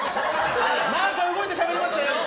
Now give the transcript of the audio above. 何か動いてしゃべりましたよ！